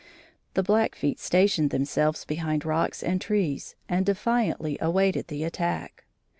The Blackfeet stationed themselves behind rocks and trees and defiantly awaited the attack.